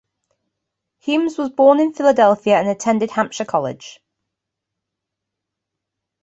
Humes was born in Philadelphia and attended Hampshire College.